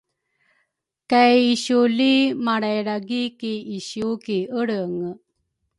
kay isiuli malrailargi ki isiu ki Elrenge.